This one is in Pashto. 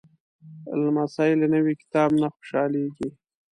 لمسی له نوي کتاب نه خوشحالېږي.